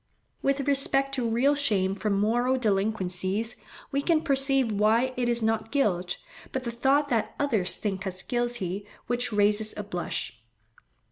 With respect to real shame from moral delinquencies, we can perceive why it is not guilt, but the thought that others think us guilty, which raises a blush.